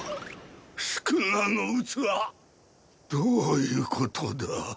宿儺の器⁉どういうことだ？